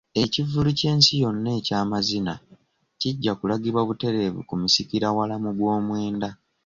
Ekivvulu ky'ensi yonna eky'amazina kijja kulagibwa butereevu ku misikira wala mu gw'omwenda.